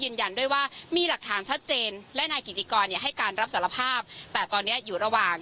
ยืนยันด้วยว่ามีหลักฐานชัดเจนและนายกิติกรเนี่ยให้การรับสารภาพแต่ตอนนี้อยู่ระหว่าง